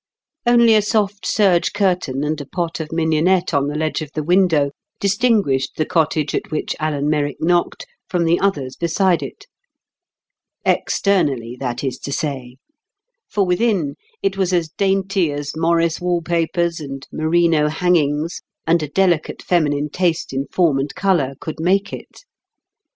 Only a soft serge curtain and a pot of mignonette on the ledge of the window, distinguished the cottage at which Alan Merrick knocked from the others beside it. Externally that is to say; for within it was as dainty as Morris wall papers and merino hangings and a delicate feminine taste in form and colour could make it.